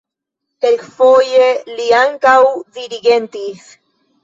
Kelkfoje li ankaŭ dirigentis.